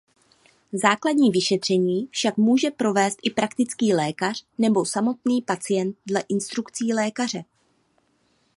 Základní vyšetření však může provést i praktický lékař nebo samotný pacient dle instrukcí lékaře.